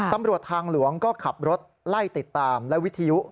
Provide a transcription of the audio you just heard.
ตำรวจทางหลวงก็ขับรถไล่ติดตามและวิทยุ